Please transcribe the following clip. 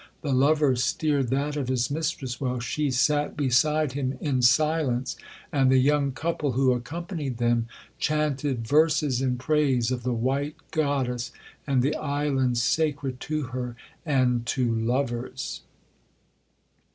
The lover steered that of his mistress, while she sat beside him in silence; and the young couple who accompanied them chaunted verses in praise of the white goddess, and the island sacred to her and to lovers.'